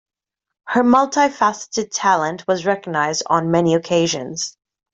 Her multifaceted talent was recognized on many occasions.